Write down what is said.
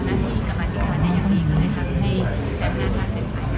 ทำงานที่กำลังดีกว่านี้ก็ง่ายกว่าใช้มันน้ำมาเต็มใหม่